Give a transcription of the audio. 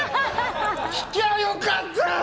聞きゃよかった。